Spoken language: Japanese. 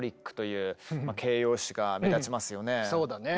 そうだね。